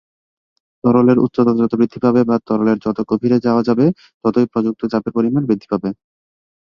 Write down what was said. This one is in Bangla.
তরলের উচ্চতা যত বৃদ্ধি পাবে বা তরলের যত গভীরে যাওয়া যাবে ততই প্রযুক্ত চাপের পরিমান বৃদ্ধি পাবে।